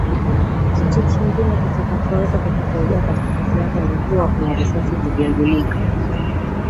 Kitu kingine kitakachoweza kukusaidia katika kazi yako ni kuwa kuna risasi imegundulika